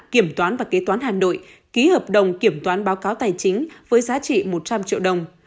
kiểm toán và kế toán hà nội ký hợp đồng kiểm toán báo cáo tài chính với giá trị một trăm linh triệu đồng